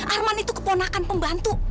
arman itu keponakan pembantu